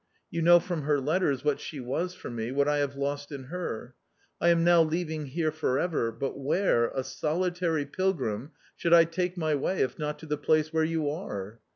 You know from her letters what she was for me, what I have lost in her. I am now leaving here for ever. But where, a solitary pilgrim, should I take my way if not to the place where you are